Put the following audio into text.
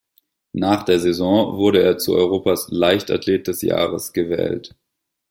Nach der Saison wurde er zu Europas Leichtathlet des Jahres gewählt.